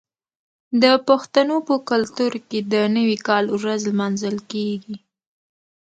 د پښتنو په کلتور کې د نوي کال ورځ لمانځل کیږي.